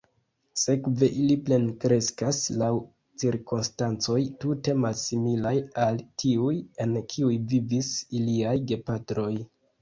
Sekve ili plenkreskas laŭ cirkonstancoj tute malsimilaj al tiuj, en kiuj vivis iliaj gepatroj.